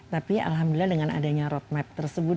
tapi alhamdulillah dengan adanya roadmap tersebut